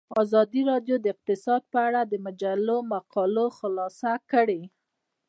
ازادي راډیو د اقتصاد په اړه د مجلو مقالو خلاصه کړې.